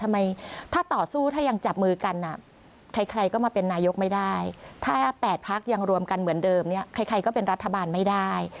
ไม่ได้ถ้า๘พักยังรวมกันเหมือนเดิมนี่ใครก็เป็นรัฐบาลไม่ได้